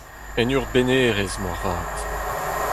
En ur bennhêrez, moarvat.